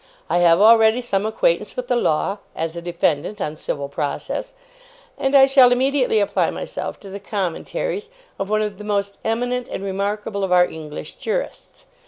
I have already some acquaintance with the law as a defendant on civil process and I shall immediately apply myself to the Commentaries of one of the most eminent and remarkable of our English jurists.